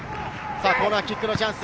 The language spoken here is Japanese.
コーナーキックのチャンス。